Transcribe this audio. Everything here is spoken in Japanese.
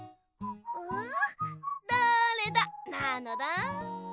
う？だれだ？なのだ。